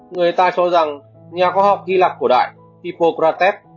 người ta cho rằng nhà khoa học ghi lạc cổ đại hippocrates